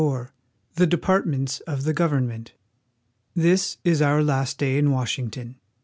THE DEPARTMENTS OF THE GOVERN MENT. THIS is our last day in Washington.